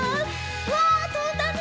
うわとんだね。